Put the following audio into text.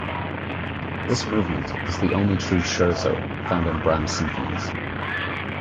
This movement is the only true scherzo found in Brahms' symphonies.